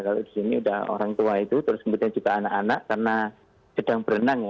kalau di sini sudah orang tua itu terus kemudian juga anak anak karena sedang berenang ya